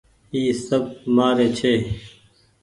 اي سب مهآري ڇي